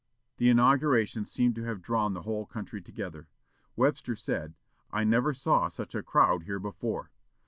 The inauguration seemed to have drawn the whole country together. Webster said, "I never saw such a crowd here before.